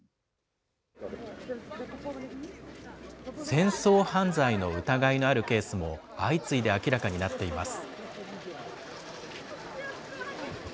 戦争犯罪の疑いのあるケースも相次いで明らかになっています。